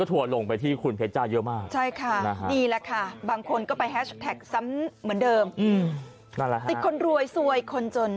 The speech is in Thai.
ติดคนรวยสวยคนจน